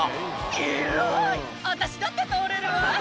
広ーい、私だって通れるわ。